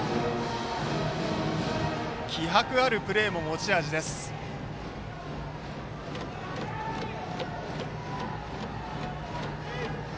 気迫あるプレーも持ち味です、今岡歩夢。